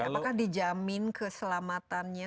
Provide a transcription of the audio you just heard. apakah dijamin keselamatannya